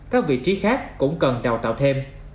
các vị trí khác cũng cần đào tạo thêm